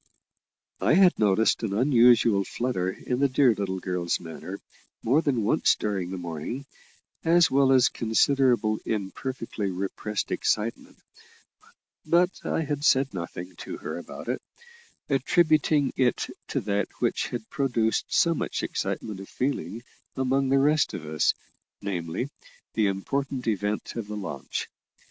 I had noticed an unusual flutter in the dear little girl's manner more than once during the morning, as well as considerable imperfectly repressed excitement; but I had said nothing to her about it, attributing it to that which had produced so much excitement of feeling among the rest of us, namely, the important event of the launch.